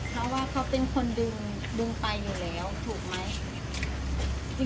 เพราะว่าเขาเป็นคนดึงไปอยู่แล้วถูกไหม